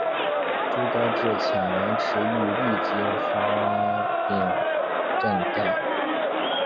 朱高炽遣人驰谕立即发廪赈贷。